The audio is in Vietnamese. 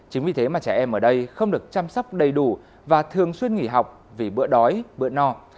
chính vì thế mà trẻ em ở đây không được chăm sóc đầy đủ và thường xuyên nghỉ học vì bữa đói bữa no